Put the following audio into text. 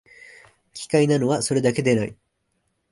奇怪なのは、それだけでない